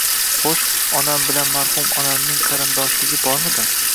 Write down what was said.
— Xo'sh, onam bilan marhum onamning qarindoshligi bormidi?